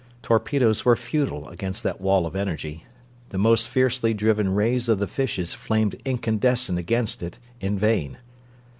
Torpedoes were futile against that wall of energy. The most fiercely driven rays of the fishes flamed incandescent against it, in vain.